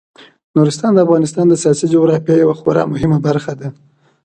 نورستان د افغانستان د سیاسي جغرافیې یوه خورا مهمه برخه ده.